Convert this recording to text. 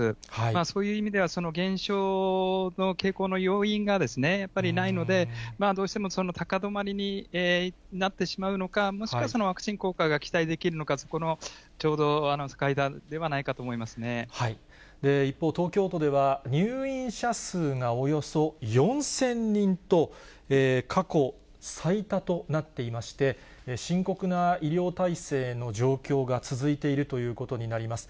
そういう意味では、その減少の傾向の要因がやっぱりないので、どうしても高止まりになってしまうのか、もしくはワクチン効果が期待できるのか、そこのちょうど境ではな一方、東京都では入院者数がおよそ４０００人と、過去最多となっていまして、深刻な医療体制の状況が続いているということになります。